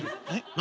何？